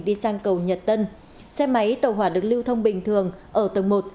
đi sang cầu nhật tân xe máy tàu hỏa được lưu thông bình thường ở tầng một